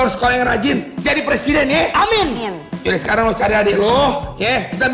harus sekolah yang rajin jadi presiden ya amin sekarang cari adik lo ya